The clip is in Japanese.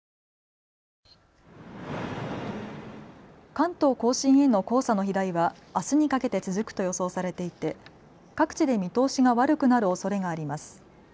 関東甲信への黄砂の飛来はあすにかけて続くと予想されていて各地で見通しが悪くなるおそれがあります。